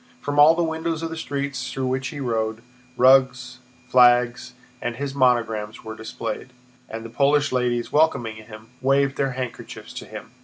From all the windows of the streets through which he rode, rugs, flags, and his monogram were displayed, and the Polish ladies, welcoming him, waved their handkerchiefs to him.